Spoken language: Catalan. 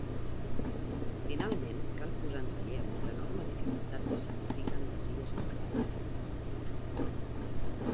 Finalment, cal posar en relleu l'enorme dificultat que signifiquen les Illes Spratly.